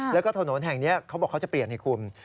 แล้วก็ถนนแห่งนี้เขาบอกเขาจะเปลี่ยนให้คุณ